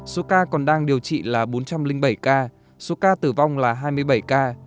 số ca còn đang điều trị là bốn trăm linh bảy ca số ca tử vong là hai mươi bảy ca